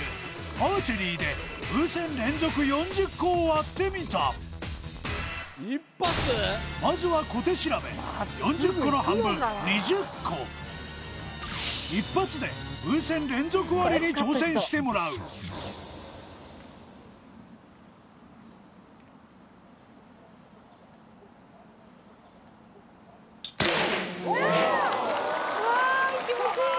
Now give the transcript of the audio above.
アーチェリーで風船連続４０個を割ってみた４０個の半分２０個１発で風船連続割りに挑戦してもらううわ